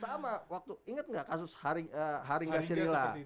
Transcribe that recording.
sama waktu inget gak kasus haringa sirila